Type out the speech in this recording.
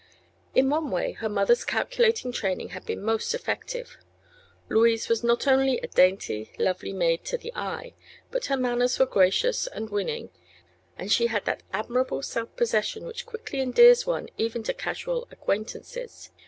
In one way her mother's calculating training had been most effective. Louise was not only a dainty, lovely maid to the eye, but her manners were gracious and winning and she had that admirable self possession which quickly endears one even to casual acquaintances.